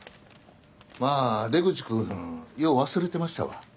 まあ出口君よう忘れてましたわ。